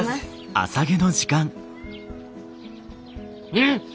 うん！